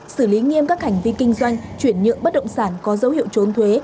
xử lý nghiêm các hành vi kinh doanh chuyển nhượng bất động sản có dấu hiệu trốn thuế